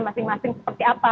masing masing seperti apa